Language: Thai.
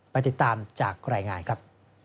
ไปติดตามจากรายงานครับ